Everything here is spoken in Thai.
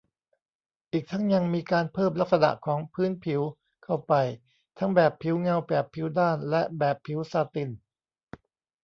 อีกทั้งยังมีการเพิ่มลักษณะของพื้นผิวเข้าไป ทั้งแบบผิวเงา แบบผิวด้าน และแบบผิวซาติน